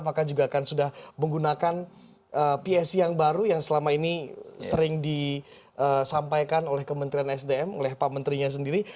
apakah juga akan sudah menggunakan psc yang baru yang selama ini sering disampaikan oleh kementerian sdm oleh pak menterinya sendiri